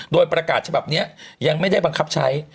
โดยประกาศฉบับนี้ยังไม่ได้บังคับใช้